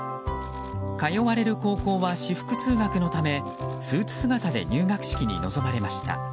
通われる高校は私服通学のためスーツ姿で入学式に臨まれました。